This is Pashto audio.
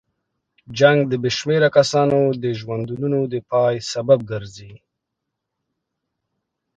جنګ د بې شمېره کسانو د ژوندونو د پای سبب ګرځي.